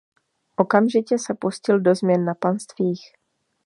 Okamžitě se pustil do změn na panstvích.